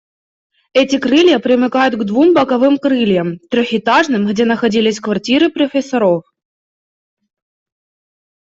Эти крылья примыкают к двум боковым крыльям, трехэтажным, где находились квартиры профессоров.